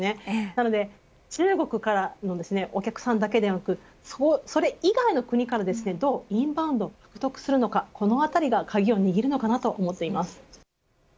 なので中国からのお客さんだけではなくそれ以外の国からどうインバウンドを獲得するのかこのあたりが鍵を握ると思います。